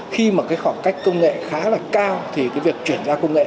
khi mà cái khoảng cách công nghệ khá là cao thì cái việc chuyển giao công nghệ